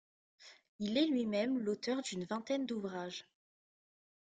Il est lui-même l'auteur d'une vingtaine d'ouvrages.